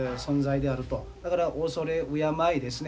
だから畏れ敬いですね